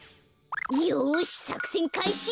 よしさくせんかいし。